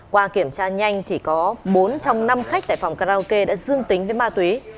qua kiểm tra nhanh thì có bốn trong năm khách tại phòng karaoke đã dương tính với ma túy